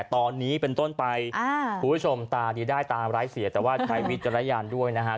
มันเป็นแผนใช่มั้ยวันนี้๑๔ใช่มั้ยเออ